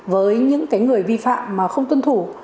với những người vi phạm mà không tuân thủ